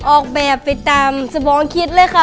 ออกแบบไปตามสมองคิดเลยค่ะ